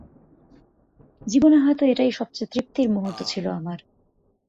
জীবনে হয়তো এটাই সবচেয়ে তৃপ্তির মুহূর্ত ছিল আমার।